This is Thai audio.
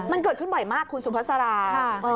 มันเกิดขึ้นบ่อยมากคุณสุภาษารา